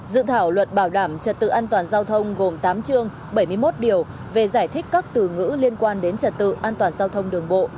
dự thảo luật bảo đảm trật tự an toàn giao thông gồm tám chương bảy mươi một điều về giải thích các từ ngữ liên quan đến trật tự an toàn giao thông đường bộ